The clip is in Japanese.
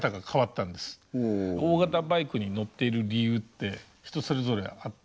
大型バイクに乗っている理由って人それぞれあって。